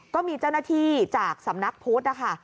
ก็มีเจ้าหน้าที่จากสำนักพุทธนะคะ